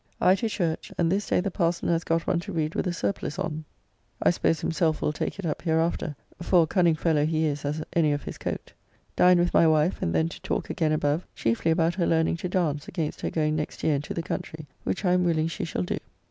I to church; and this day the parson has got one to read with a surplice on. I suppose himself will take it up hereafter, for a cunning fellow he is as any of his coat. Dined with my wife, and then to talk again above, chiefly about her learning to dance against her going next year into the country, which I am willing she shall do.